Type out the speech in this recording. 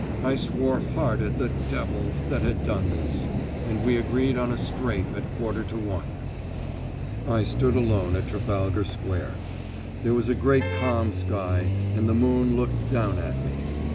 I swore hard at the devils that had done this; and we agreed on a "strafe" at a quarter to one. I stood alone at Trafalgar Square. There was a great calm sky, and the moon looked down at me.